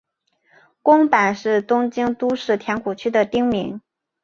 宫坂是东京都世田谷区的町名。